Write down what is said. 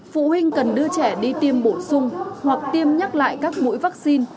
phụ huynh cần đưa trẻ đi tiêm bổ sung hoặc tiêm nhắc lại các mũi vaccine